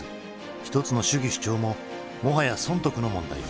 一つの主義主張ももはや損得の問題に。